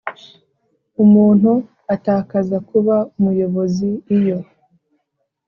Umuntu atakaza kuba umuyobozi iyo